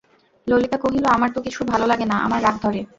ললিতা কহিল, আমার তো কিছু ভালো লাগে না–আমার রাগ ধরে।